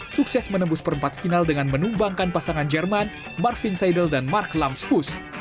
sukses menembus perempat final dengan menumbangkan pasangan jerman marvin saidel dan mark lamspus